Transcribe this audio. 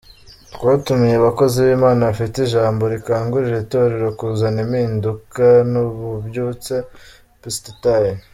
"Twatumiye abakozi b'Imana bafite ijambo rikangurira itorero kuzana impinduka n'ububyutse" Pst Tayi.